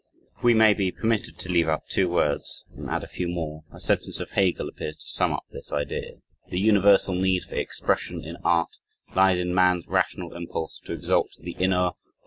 If we may be permitted to leave out two words, and add a few more, a sentence of Hegel appears to sum up this idea, "The universal need for expression in art lies in man's rational impulse to exalt the inner